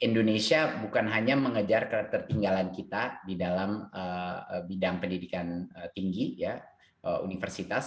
indonesia bukan hanya mengejar ketertinggalan kita di dalam bidang pendidikan tinggi universitas